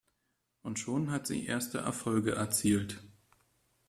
Und schon hat sie erste Erfolge erzielt.